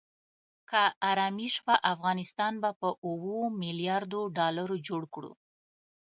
که آرامي شوه افغانستان به په اوو ملیاردو ډالرو جوړ کړو.